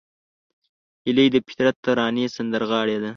هیلۍ د فطرت ترانې سندرغاړې ده